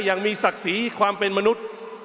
ยังมีศักดิ์ศรีความเป็นมนุษย์